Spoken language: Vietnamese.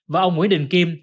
và ông nguyễn đình kim